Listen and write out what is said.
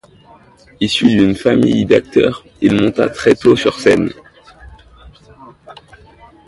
Issu d'une famille d'acteurs, il monta très tôt sur scène.